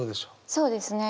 そうですね